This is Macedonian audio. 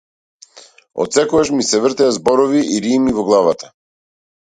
Отсекогаш ми се вртеа зборови и рими во главата.